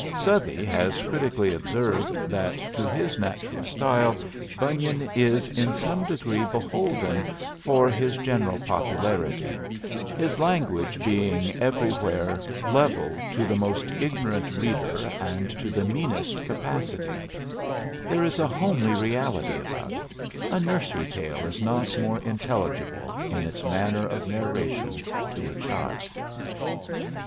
Southey has critically observed that to his natural style Bunyan is in some degree beholden for his general popularity, his language being everywhere level to the most ignorant reader and to the meanest capacity; "there is a homely reality about it a nursery tale is not more intelligible, in its manner of narration, to a child."